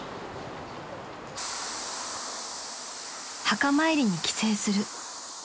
［墓参りに帰省する］